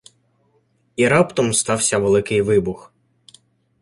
І раптом стався Великий Вибух